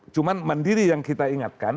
cuman mandiri yang kita ingatkan